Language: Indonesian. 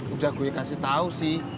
udah gue kasih tau sih